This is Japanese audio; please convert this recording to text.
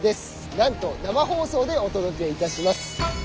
なんと生放送でお届けいたします！